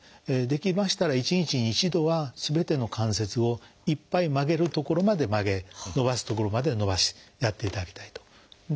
できましたら１日に１度はすべての関節をいっぱい曲げるところまで曲げ伸ばすところまでは伸ばしやっていただきたいと。